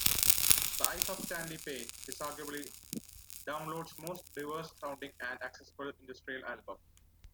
"The Eyes of Stanley Pain" is arguably Download's most diverse-sounding and accessible industrial album.